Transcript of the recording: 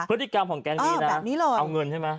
พฤติกรรมของแก๊งนี้นะเอาเงินใช่ไหม